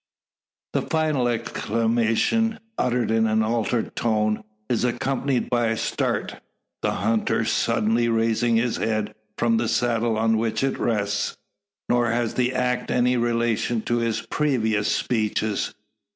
The final exclamation, uttered in an altered tone, is accompanied by a start the hunter suddenly raising his head from the saddle on which it rests. Nor has the act any relation to his previous speeches.